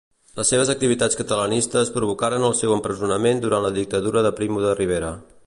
Les seves activitats catalanistes provocaren el seu empresonament durant la dictadura de Primo de Rivera.